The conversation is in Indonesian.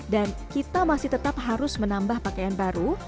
kita masih tetap harus menambah pakaian baru